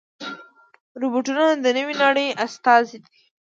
روبوټونه د نوې نړۍ استازي دي.